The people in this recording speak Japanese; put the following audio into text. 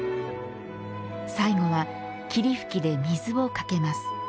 最後は霧吹きで水をかけます。